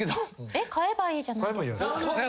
えっ買えばいいじゃないですか。